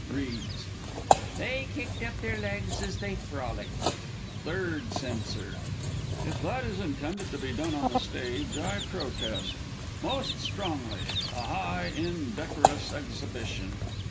(Reads.) "They kicked up their legs as they frolicked" Third Censor. If that is intended to be done on the stage, I protest most strongly a highly indecorous exhibition!